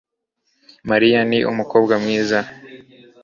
Mariya ni umukobwa mwiza